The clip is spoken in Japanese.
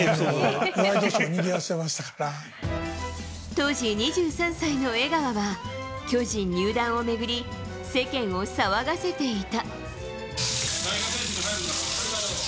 当時２３歳の江川は巨人入団を巡り世間を騒がせていた。